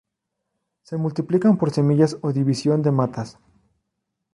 Se multiplican por semillas o división de matas.